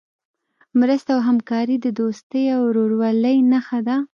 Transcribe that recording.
مرسته او همکاري د دوستۍ او ورورولۍ نښه ده.